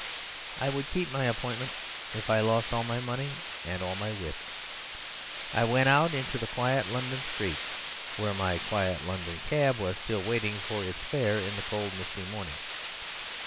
I would keep my appointment if I lost all my money and all my wits. I went out into the quiet London street, where my quiet London cab was still waiting for its fare in the cold misty morning.